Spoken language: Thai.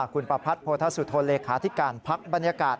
คุณประพัทธ์โพธสุธนเลขาธิการพักบรรยากาศ